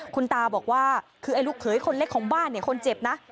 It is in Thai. คุณตาบอกว่าคือไอ้ลูกเขยคนเล็กของบ้านเนี่ยคนเจ็บนะ